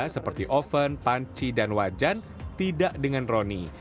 seperti oven panci dan wajan tidak dengan roni